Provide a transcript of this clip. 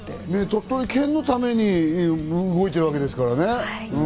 鳥取県のために動いてるわけですからね。